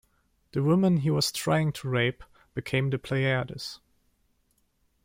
The women he was trying to rape became the Pleiades.